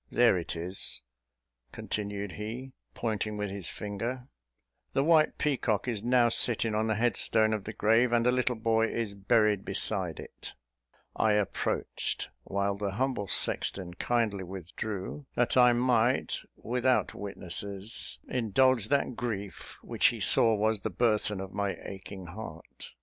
There it is," continued he, pointing with his finger; "the white peacock is now sitting on the headstone of the grave, and the little boy is buried beside it." I approached, while the humble sexton kindly withdrew, that I might, without witnesses, indulge that grief which he saw was the burthen of my aching heart.